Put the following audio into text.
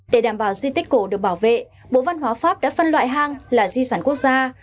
để đảm bảo di tích cổ được bảo vệ bộ văn hóa pháp đã phân loại hang là di sản quốc gia